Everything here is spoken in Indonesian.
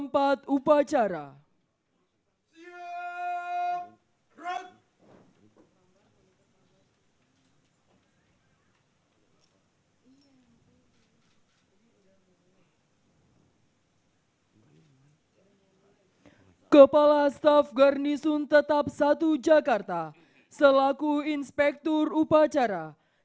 laporan komandan upacara kepada inspektur upacara